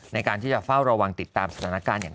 ในการที่จะเฝ้าระวังติดตามสถานการณ์อย่าง